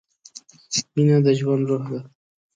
مینه د ژوند روح ده.